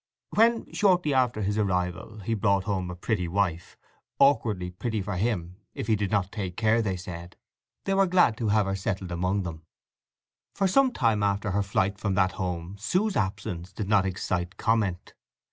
When, shortly after his arrival, he brought home a pretty wife—awkwardly pretty for him, if he did not take care, they said—they were glad to have her settle among them. For some time after her flight from that home Sue's absence did not excite comment.